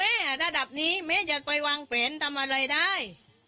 แล้วแม่ระดับนี้แม่จะไปวางเปลี่ยนทำอะไรได้